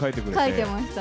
書いてました。